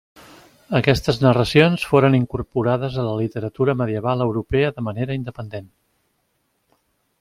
Aquestes narracions foren incorporades a la literatura medieval europea de manera independent.